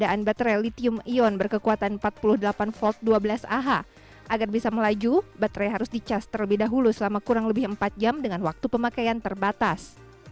penggunaan baterai litium ion berkekuatan empat puluh delapan v dua belas ah agar bisa melaju baterai harus dicas terlebih dahulu selama kurang lebih empat jam dengan waktu pemakaian terbatas